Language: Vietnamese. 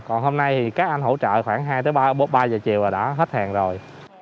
còn hôm nay thì các anh hỗ trợ khoảng hai ba giờ chiều rồi đã hết hàng rồi